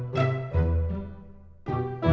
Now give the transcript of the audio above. tidak ada maaf bagimu